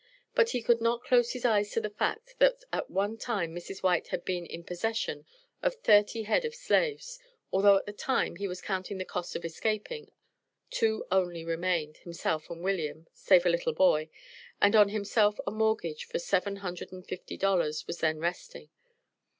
But he could not close his eyes to the fact, that at one time Mrs. White had been in possession of thirty head of slaves, although at the time he was counting the cost of escaping, two only remained himself and William, (save a little boy) and on himself a mortgage for seven hundred and fifty dollars was then resting.